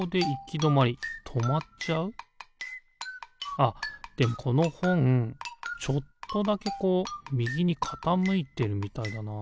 あっでこのほんちょっとだけこうみぎにかたむいてるみたいだな。